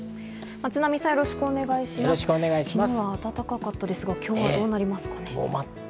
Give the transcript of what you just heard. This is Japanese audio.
昨日は暖かかったですが今日はどうなりますかね？